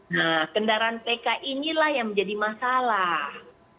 nah kendaraan pk inilah yang menjadi masalah